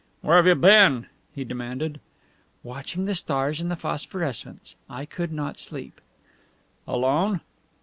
"Where have you been?" he demanded. "Watching the stars and the phosphorescence. I could not sleep." "Alone?"